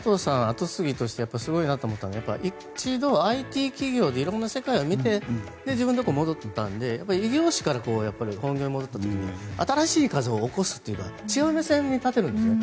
後継ぎとしてすごいなと思ったのは一度、ＩＴ企業で色んな世界を見て自分のところに戻ったので異業種から本業に戻った時に新しい風を起こすというか違う目線に立てるんですよね。